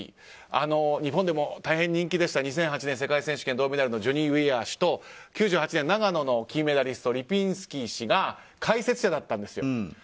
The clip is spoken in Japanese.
日本でも大変人気でした２００８年、世界選手権銅メダルのジョニー・ウィアー氏と９８年、長野の金メダリストリピンスキー氏が解説者だったんですよ。